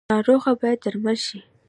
ناروغه باید درمل شي